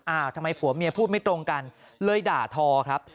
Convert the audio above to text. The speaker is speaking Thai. ทำไมผัวเมียพูดไม่ตรงกันเลยด่าทอครับ